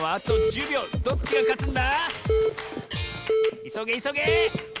いそげいそげ！